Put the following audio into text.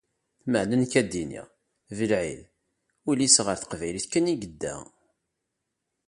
Meɛna nekk a-d-iniɣ : Belɛid, ul-is ɣer teqbaylit kan i yedda.